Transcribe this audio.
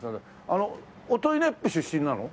あの音威子府出身なの？